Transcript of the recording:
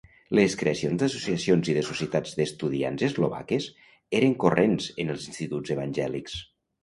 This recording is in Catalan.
Les creacions d'associacions i de societats d'estudiants eslovaques eren corrents en els instituts evangèlics.